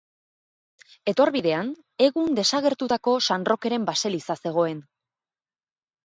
Etorbidean egun desagertutako San Rokeren baseliza zegoen.